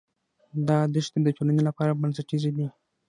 دا دښتې د ټولنې لپاره بنسټیزې دي.